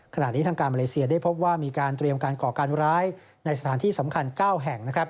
ขณะนี้ทางการมาเลเซียได้พบว่ามีการเตรียมการก่อการร้ายในสถานที่สำคัญ๙แห่ง